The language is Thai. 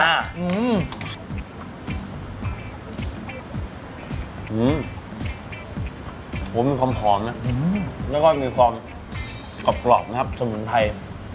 แล้วมันมีความถอนและก็มีความกรอบนะครับสมุนไทย